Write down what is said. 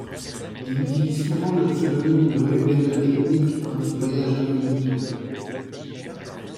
Il utilise souvent le pseudonyme de Ruben Rybnik quand il voyage incognito.